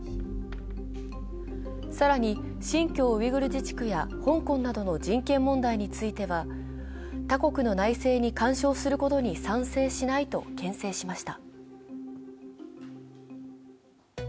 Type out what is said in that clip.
更に、新疆ウイグル自治区や香港などの人権問題については他国の内政に干渉することに賛成しないとけん制しました。